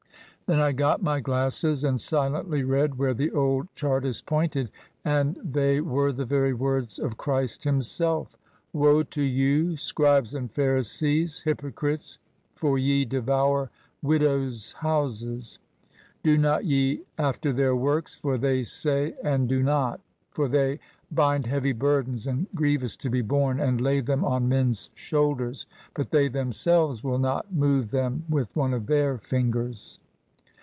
Then I got my glasses and silently read where the old Chartist pointed. And they were the very words of Christ himself: ^^^Woe to you y scribes and Pharisees ^ hypocrites ! for ye devour widows^ houses! "* Do not ye after their works : for they say, and do not For they bind heavy burdens and grievous to be borne, and lay them on men's shoulders ; but they themselves will not move them with one of their fingers!